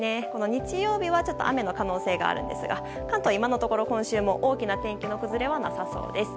日曜日はちょっと雨の可能性もあるんですが関東は今のところ今週も大きな天気の崩れはなさそうです。